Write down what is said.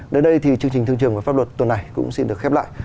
đến đây thì chương trình thương trường và pháp luật tuần này cũng xin được khép lại